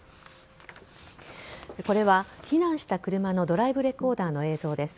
これは避難した車のドライブレコーダーの映像です。